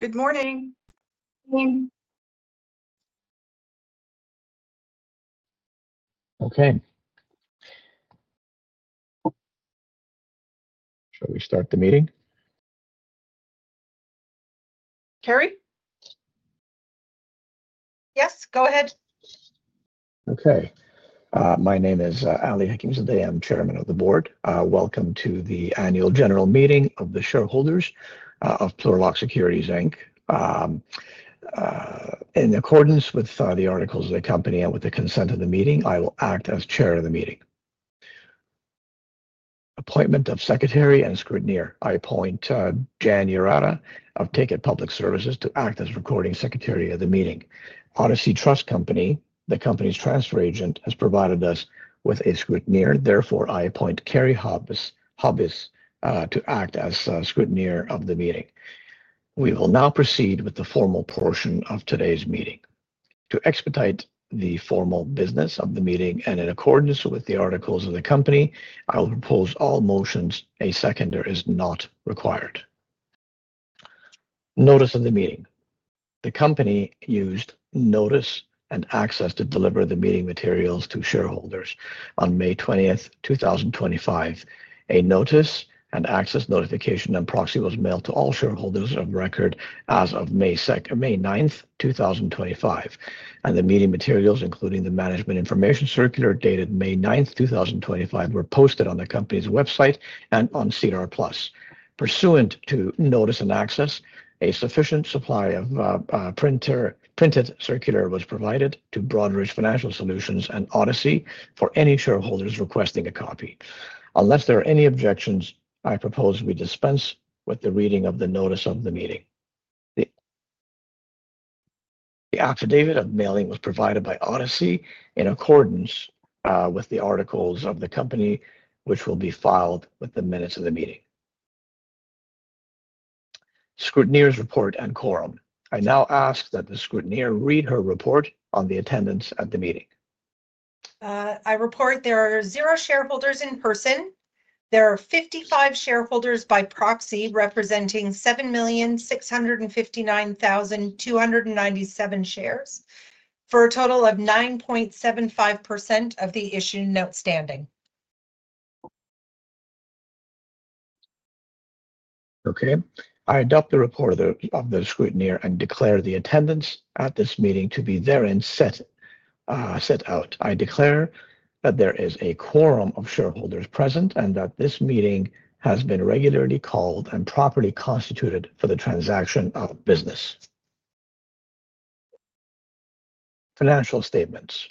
Good morning. Okay. Shall we start the meeting? Kari? Yes, go ahead. Okay. My name is Ali Hakimzadeh. I'm Chairman of the Board. Welcome to the Annual General Meeting of the Shareholders of Plurilock Security Inc. In accordance with the articles of the company and with the consent of the meeting, I will act as Chair of the meeting. Appointment of Secretary and Scrutineer. I appoint Jan Urata of Ticket Public Services to act as Recording Secretary of the meeting. Odyssey Trust Company, the company's transfer agent, has provided us with a scrutineer. Therefore, I appoint Kari Hobbis to act as Scrutineer of the meeting. We will now proceed with the formal portion of today's meeting. To expedite the formal business of the meeting and in accordance with the articles of the company, I will propose all motions. A seconder is not required. Notice of the meeting. The company used notice and access to deliver the meeting materials to shareholders on May 20th, 2025. A notice and access notification and proxy was mailed to all shareholders of record as of May 9th, 2025. The meeting materials, including the management information circular dated May 9th, 2025, were posted on the company's website and on SEDAR+. Pursuant to notice and access, a sufficient supply of printed circular was provided to Broadridge Financial Solutions and Odyssey Trust Company for any shareholders requesting a copy. Unless there are any objections, I propose we dispense with the reading of the notice of the meeting. The affidavit of mailing was provided by Odyssey Trust Company in accordance with the articles of the company, which will be filed with the minutes of the meeting. Scrutineer's report and quorum. I now ask that the scrutineer read her report on the attendance at the meeting. I report there are zero shareholders in person. There are 55 shareholders by proxy representing 7,659,297 shares for a total of 9.75% of the issued and outstanding. Okay. I adopt the report of the scrutineer and declare the attendance at this meeting to be there and set out. I declare that there is a quorum of shareholders present and that this meeting has been regularly called and properly constituted for the transaction of business. Financial Statements.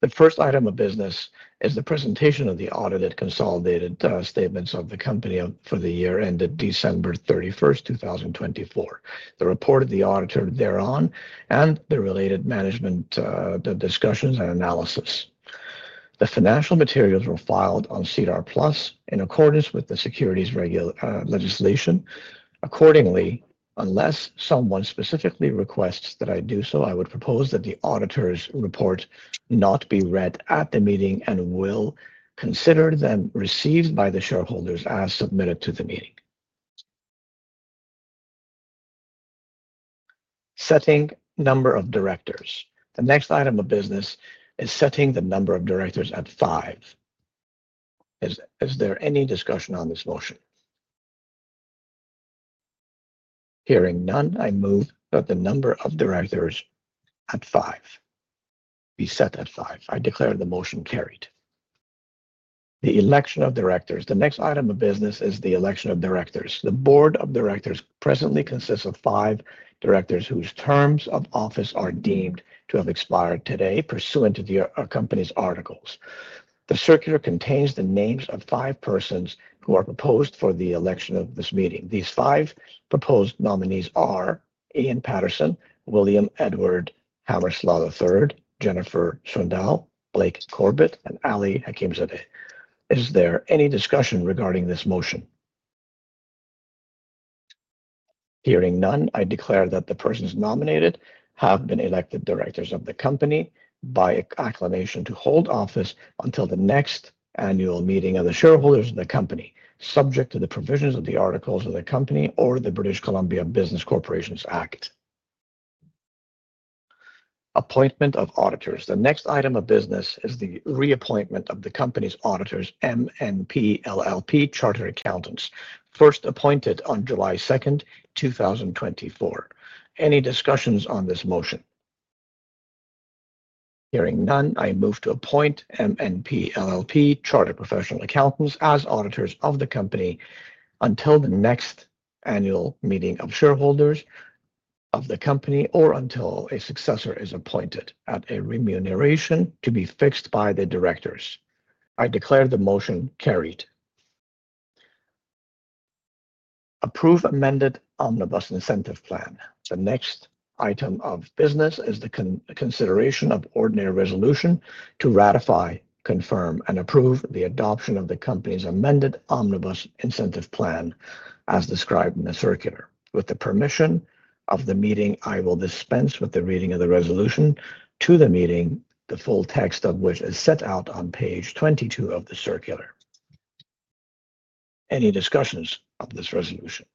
The first item of business is the presentation of the audited consolidated statements of the company for the year ended December 31st, 2024. The report of the auditor thereon and the related management discussions and analysis. The financial materials were filed on SEDAR+ in accordance with the securities legislation. Accordingly, unless someone specifically requests that I do so, I would propose that the auditor's report not be read at the meeting and will consider them received by the shareholders as submitted to the meeting. Setting number of directors. The next item of business is setting the number of directors at five. Is there any discussion on this motion? Hearing none, I move that the number of directors be set at five. I declare the motion carried. The election of directors. The next item of business is the election of directors. The board of directors presently consists of five directors whose terms of office are deemed to have expired today pursuant to the company's articles. The circular contains the names of five persons who are proposed for the election of this meeting. These five proposed nominees are Ian Paterson, William Edward Hammersla III, Jennifer Swindell, Blake Corbet, and Ali Hakimzadeh. Is there any discussion regarding this motion? Hearing none, I declare that the persons nominated have been elected directors of the company by acclamation to hold office until the next annual meeting of the shareholders of the company, subject to the provisions of the articles of the company or the British Columbia Business Corporations Act. Appointment of auditors. The next item of business is the reappointment of the company's auditors, MNP LLP Chartered Accountants, first appointed on July 2nd, 2024. Any discussions on this motion? Hearing none, I move to appoint MNP LLP Chartered Professional Accountants as auditors of the company until the next annual meeting of shareholders of the company or until a successor is appointed at a remuneration to be fixed by the directors. I declare the motion carried. Approve amended Omnibus Incentive Plan. The next item of business is the consideration of ordinary resolution to ratify, confirm, and approve the adoption of the company's amended Omnibus Incentive Plan as described in the circular. With the permission of the meeting, I will dispense with the reading of the resolution to the meeting, the full text of which is set out on page 22 of the circular. Any discussions of this resolution?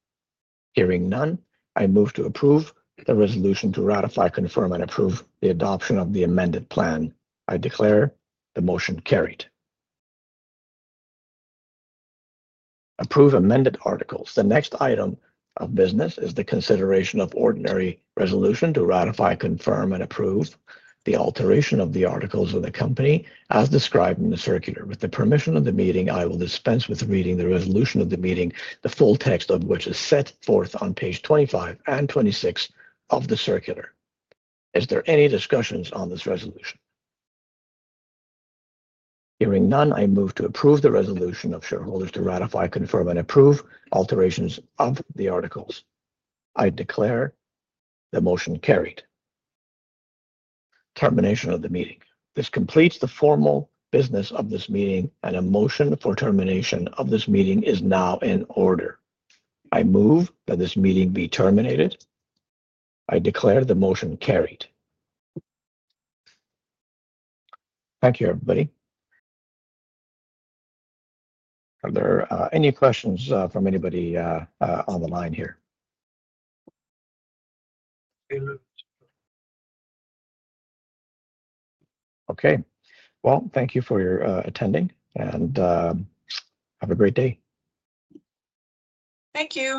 Hearing none, I move to approve the resolution to ratify, confirm, and approve the adoption of the amended plan. I declare the motion carried. Approve amended articles. The next item of business is the consideration of ordinary resolution to ratify, confirm, and approve the alteration of the articles of the company as described in the circular. With the permission of the meeting, I will dispense with reading the resolution of the meeting, the full text of which is set forth on page 25 and 26 of the circular. Is there any discussions on this resolution? Hearing none, I move to approve the resolution of shareholders to ratify, confirm, and approve alterations of the articles. I declare the motion carried. Termination of the meeting. This completes the formal business of this meeting, and a motion for termination of this meeting is now in order. I move that this meeting be terminated. I declare the motion carried. Thank you, everybody. Are there any questions from anybody on the line here? Okay. Thank you for your attending, and have a great day. Thank you.